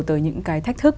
từ những cái thách thức